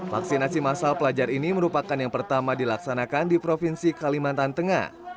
vaksinasi masal pelajar ini merupakan yang pertama dilaksanakan di provinsi kalimantan tengah